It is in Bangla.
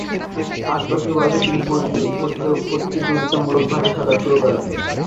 আট বছর বয়সে তিনি প্রতিযোগিতামূলকভাবে সাঁতার শুরু করেন।